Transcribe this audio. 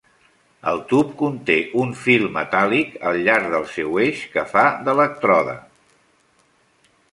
El tub conté un fil metàl·lic al llarg del seu eix que fa d'elèctrode.